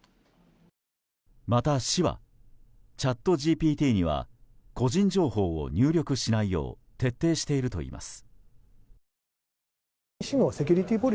また、市はチャットＧＰＴには個人情報を入力しないよう徹底しているといいます。